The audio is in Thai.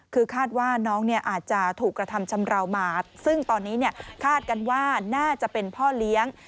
คือคาดว่าน้องเนี่ยอาจจะถูกกระทำชำราวมาซึ่งตอนนี้คาดกันว่าน่าจะเป็นพ่อเลี้ยง